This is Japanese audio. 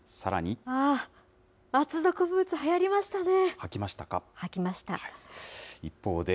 厚底ブーツ、はやりましたね。